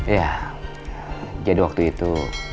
ya jadi waktu itu